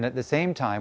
jadi hutan memperoleh